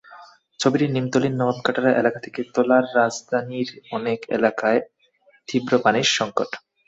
ছবিটি নিমতলীর নবাব কাটারা এলাকা থেকে তোলারাজধানীর অনেক এলাকায় তীব্র পানির সংকট।